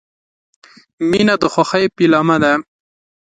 • مینه د خوښۍ پیلامه ده.